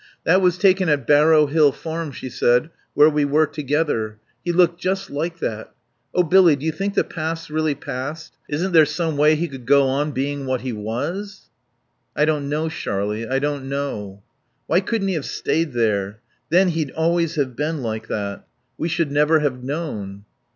"That was taken at Barrow Hill Farm," she said, "where we were together. He looked just like that.... Oh, Billy, do you think the past's really past?... Isn't there some way he could go on being what he was?" "I don't know, Sharlie, I don't know." "Why couldn't he have stayed there! Then he'd always have been like that. We should never have known."